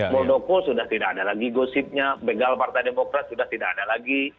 muldoko sudah tidak ada lagi gosipnya begal partai demokrat sudah tidak ada lagi